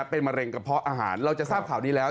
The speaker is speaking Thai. เป็นมะเร็งกระเพาะอาหารเราจะทราบข่าวนี้แล้ว